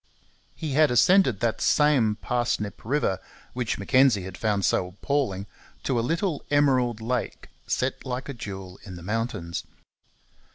He had ascended that same Parsnip river, which Mackenzie had found so appalling, to a little emerald lake set like a jewel in the mountains.